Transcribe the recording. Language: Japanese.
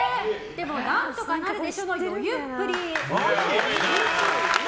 でも「なんとかなるでしょ」の余裕っぷり！